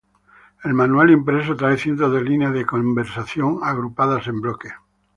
El manual impreso trae cientos de líneas de conversación agrupadas en bloques.